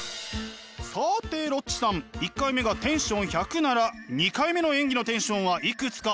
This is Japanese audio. さてロッチさん１回目がテンション１００なら２回目の演技のテンションはいくつか当ててください。